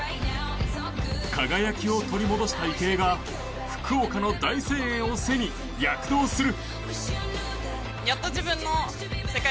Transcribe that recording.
輝きを取り戻した池江が福岡の大声援を背に躍動する！